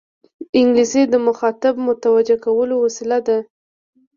انګلیسي د مخاطب متوجه کولو وسیله ده